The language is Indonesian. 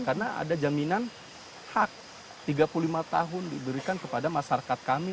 karena ada jaminan hak tiga puluh lima tahun diberikan kepada masyarakat kami